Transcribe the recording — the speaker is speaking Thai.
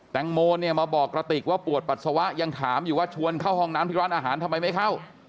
แตงโมเนี่ยมาบอกกระติกว่าปวดปัสสาวะยังถามอยู่ว่าชวนเข้าห้องน้ำที่ร้านอาหารทำไมไม่เข้า